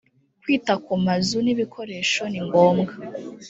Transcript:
kwita ku mazu n’ ibikoresho ni ngombwa